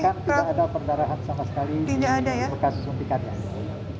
bahkan tidak ada pendarahan sama sekali di bekas menyuntikannya